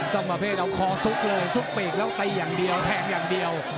ต้องประเภทเอาคอซุกเลยซุกปีกแล้วเต้งอย่างเดียว